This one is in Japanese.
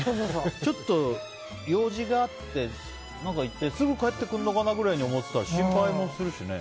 ちょっと用事があって行ってすぐ帰ってくるのかなと思ってたら心配もするしね。